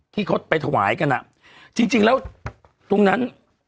ที่เขาไปถวายกันอ่ะจริงแล้วตรงนั้น